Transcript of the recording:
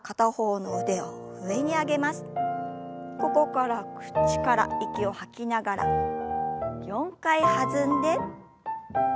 ここから口から息を吐きながら４回弾んで。